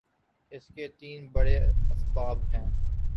اس کے تین بڑے اسباب ہیں۔